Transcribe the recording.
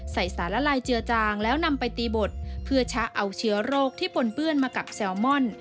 สารละลายเจือจางแล้วนำไปตีบดเพื่อชะเอาเชื้อโรคที่ปนเปื้อนมากับแซลมอน